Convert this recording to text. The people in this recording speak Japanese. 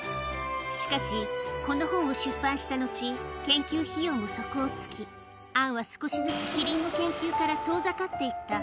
しかし、この本を出版したのち、研究費用も底をつき、アンは少しずつキリンの研究から遠ざかっていった。